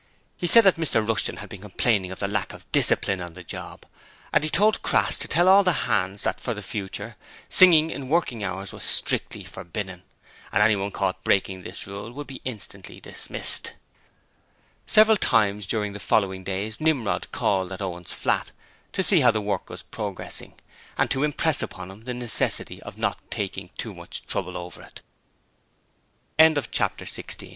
He said that Mr Rushton had been complaining of the lack of discipline on the job, and he told Crass to tell all the hands that for the future singing in working hours was strictly forbidden, and anyone caught breaking this rule would be instantly dismissed. Several times during the following days Nimrod called at Owen's flat to see how the work was progressing and to impress upon him the necessity of not taking too much trouble over it. Chapter 17 The Rev. John Starr 'What time is it now, Mum?' asked Frankie as soon as